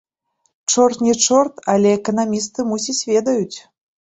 Чорт не чорт, але эканамісты, мусіць, ведаюць.